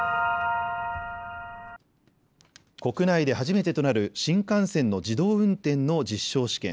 国内で初めてとなる新幹線の自動運転の実証試験。